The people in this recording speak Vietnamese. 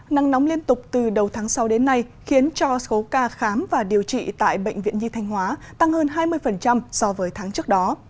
nắng nóng liên tục từ đầu tháng sáu đến nay khiến cho số ca khám và điều trị tại bệnh viện nhi thanh hóa tăng hơn hai mươi so với tháng trước đó